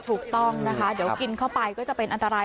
ถูกต้องนะคะเดี๋ยวกินเข้าไปก็จะเป็นอันตราย